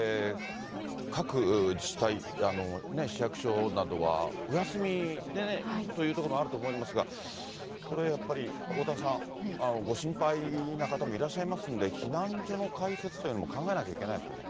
各自治体、市役所などはお休みという所もあると思いますが、これやっぱりおおたわさん、ご心配な方もいらっしゃいますので、避難所の開設というのも考えなきゃいけないですね。